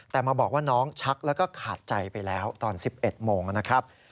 แต่มาบอกว่าน้องชักแล้วก็ขาดใจไปแล้วตอน๑๑โมงนะครับ